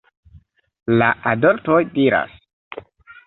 La adoltoj diras: